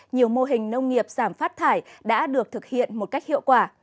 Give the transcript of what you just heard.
nhiều mô hình nông nghiệp giảm phát thải đã được thực hiện một cách hiệu quả